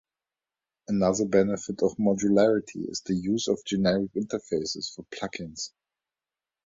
Another benefit of modularity is the use of generic interfaces for plug-ins.